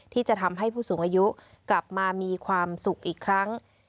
ที่จะทำให้ผู้สูงอายุกลับมามีความสุขอีกครั้ง